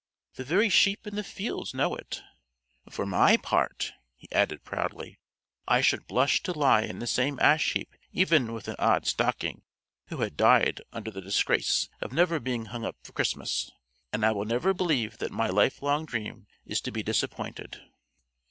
The very sheep in the fields know it. For my part," he added proudly, "I should blush to lie in the same ash heap even with an odd stocking who had died under the disgrace of never being hung up for Christmas, and I will never believe that my life long dream is to be disappointed!"